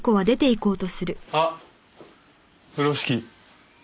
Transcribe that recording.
あっ風呂敷。